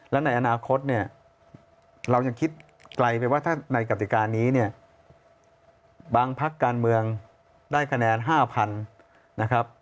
แล้วในอนาคตเรายังคิดไกลไปว่าถ้าในกติการนี้บางพักการเมืองได้คะแนน๕๐๐๐